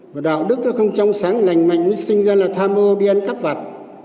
và đạo đức nó không trong sáng lành mạnh mới sinh ra là tham ô đi ăn cắp vặt